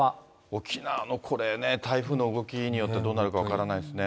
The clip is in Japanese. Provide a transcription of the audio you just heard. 沖縄のこれ、台風の動きによってはどうなるか分からないですね。